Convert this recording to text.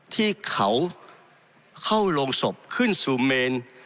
ที่เขาเข้าโรงศพขึ้นสู่เมน